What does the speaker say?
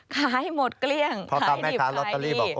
ขายหมดเกลี้ยงขายดิบขายดีพอตามแม่ค้ารอตเตอรี่บอก